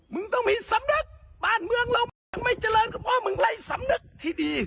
มึงต้องมีสำนึกบ้านเมืองเรามึงจะไม่เจริญก็เพราะมึงไล่สำนึกที่ดี